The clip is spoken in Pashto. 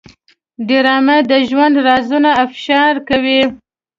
ډرامه د ژوند رازونه افشا کوي